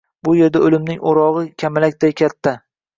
Bu erda o`limning o`rog`i kamalakday katta